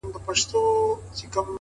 ها جلوه دار حُسن په ټوله ښاريه کي نسته-